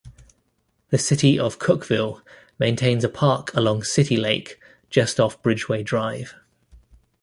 The City of Cookeville maintains a park along City Lake just off Bridgeway Drive.